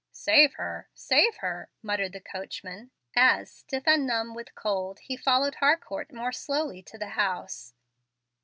"Save her, save her," muttered the coachman, as, stiff and numb with cold, he followed Harcourt more slowly to the house.